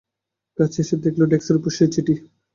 কাছে এসে দেখলে, ডেস্কের উপর সেই চিঠি।